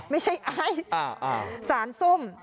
ไม่ใช่ไอซ์สารส้ม